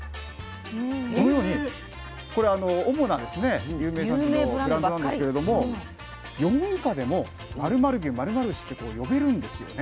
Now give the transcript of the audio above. このようにこれ主な有名産地のブランドなんですけれども４以下でも○○牛○○牛って呼べるんですよね。